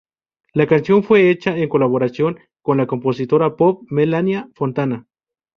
La canción fue hecha en colaboración con la compositora pop Melania Fontana.